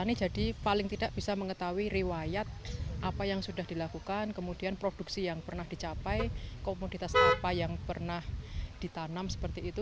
petani jadi paling tidak bisa mengetahui riwayat apa yang sudah dilakukan kemudian produksi yang pernah dicapai komoditas apa yang pernah ditanam seperti itu